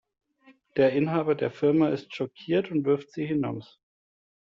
Der Inhaber der Firma ist schockiert und wirft sie hinaus.